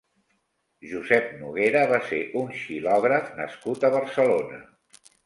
Josep Noguera va ser un xilògraf nascut a Barcelona.